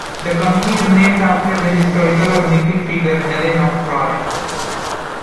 The company is named after the historical or mythic figure Helen of Troy.